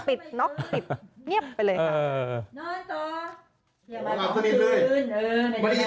น็อกปิดเงียบไปเลยค่ะ